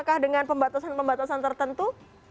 apakah dengan pembatasan pembatasan tertentu